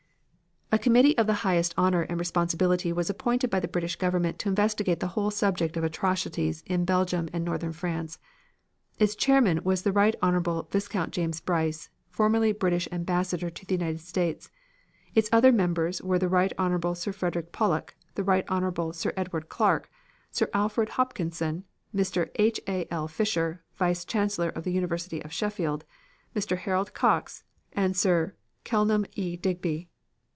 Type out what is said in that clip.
A committee of the highest honor and responsibility was appointed by the British Government to investigate the whole subject of atrocities in Belgium and Northern France. Its chairman was the Rt. Hon. Viscount James Bryce, formerly British Ambassador to the United States. Its other members were the Rt. Hon. Sir Frederick Pollock, the Rt. Hon. Sir Edward Clark, Sir Alfred Hopkinson, Mr. H. A. L. Fisher, Vice Chancellor of the University of Sheffield, Mr. Harold Cox and Sir Kenelm E. Digby.